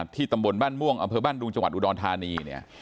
ตำบลบ้านม่วงอำเภอบ้านดุงจังหวัดอุดรธานีเนี่ย